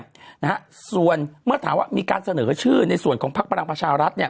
นะฮะส่วนเมื่อถามว่ามีการเสนอชื่อในส่วนของพักพลังประชารัฐเนี่ย